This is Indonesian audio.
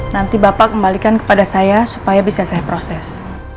nanti bapak kembalikan kepada saya supaya bisa saya proses